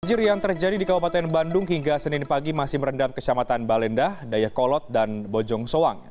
banjir yang terjadi di kabupaten bandung hingga senin pagi masih merendam kecamatan balendah dayakolot dan bojong soang